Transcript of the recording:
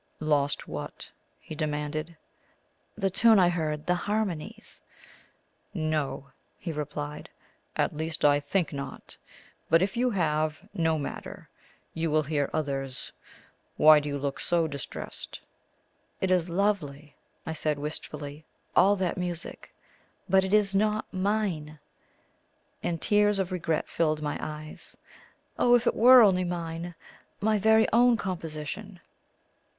"Lost what?" he demanded. "The tune I heard the harmonies." "No," he replied; "at least I think not. But if you have, no matter. You will hear others. Why do you look so distressed?" "It is lovely," I said wistfully, "all that music; but it is not MINE;" and tears of regret filled my eyes. "Oh, if it were only mine my very own composition!"